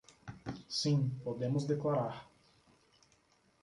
Sim, podemos declarar.